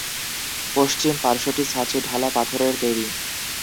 পশ্চিম পার্শ্বটি ছাঁচে ঢালা পাথরের তৈরি।